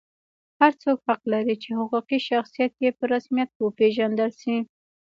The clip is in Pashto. هر څوک حق لري چې حقوقي شخصیت یې په رسمیت وپېژندل شي.